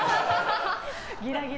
ギラギラ。